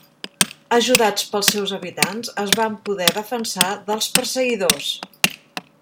Ajudats pels seus habitants es van poder defensar dels perseguidors.